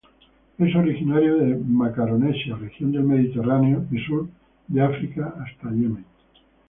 Es originario de Macaronesia, región del Mediterráneo y sur de África hasta Yemen.